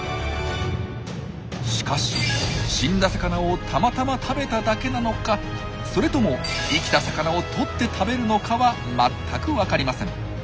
しかし死んだ魚をたまたま食べただけなのかそれとも生きた魚をとって食べるのかは全く分かりません。